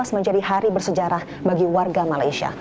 dua ribu delapan belas menjadi hari bersejarah bagi warga malaysia